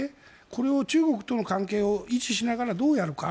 これを中国との関係を維持しながらどうやるか。